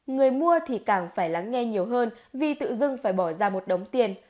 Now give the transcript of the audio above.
người mua thì càng phải lắng nghe nhiều hơn vì tự dưng phải bỏ ra một đống tiền